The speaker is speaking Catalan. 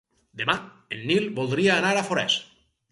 Demà en Nil voldria anar a Forès.